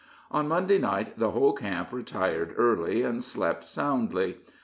On Monday night the whole camp retired early, and slept soundly.